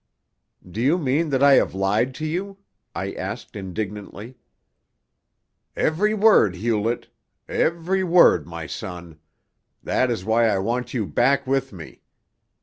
"Do you mean that I have lied to you?" I asked indignantly. "Every word, Hewlett every word, my son. That is why I want you back with me.